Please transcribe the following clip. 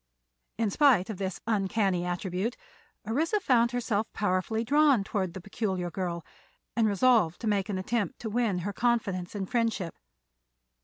In spite of this uncanny attribute, Orissa found herself powerfully drawn toward the peculiar girl, and resolved to make an attempt to win her confidence and friendship.